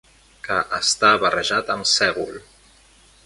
Que està barrejat amb sègol.